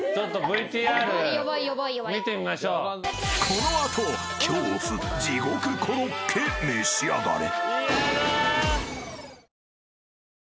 ［この後恐怖地獄コロッケ召し上がれ］